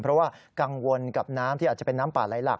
เพราะว่ากังวลกับน้ำที่อาจจะเป็นน้ำป่าไหลหลัก